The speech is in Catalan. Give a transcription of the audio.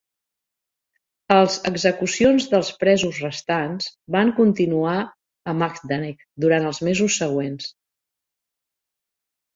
Els execucions dels presos restants van continuar a Majdanek durant els mesos següents.